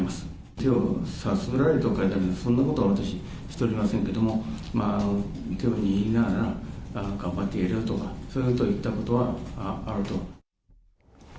手をさすられと書いてありますが、そんなことは私、しておりませんけども、まあ、手を握りながら、頑張っていると、そういうことを言ったことはあると。